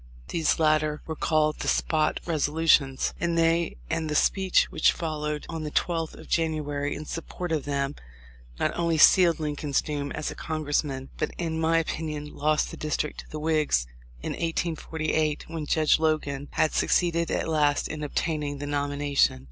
These latter were called the "Spot Resolutions," and they and the speech which followed on the 12th of January in support of them not only sealed Lincoln's doom as a Congressman, but in my opinion, lost the district to the Whigs in 1848, when Judge Logan had succeeded at last in obtain ing the nomination.